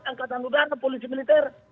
angkatan lutarno polisi militer